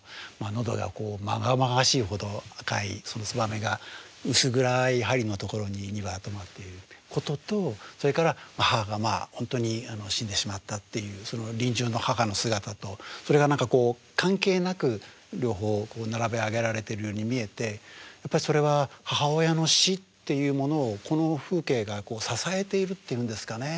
のどがまがまがしいほど赤いつばめが薄暗い梁のところに２羽止まっていることとそれから母が本当に死んでしまったっていうその臨終の母の姿とそれが何かこう関係なく両方を並べ挙げられてるように見えてそれは母親の死っていうものをこの風景が支えているっていうんですかね